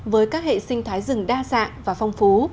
với các hệ sinh thái rừng đa dạng và phong phú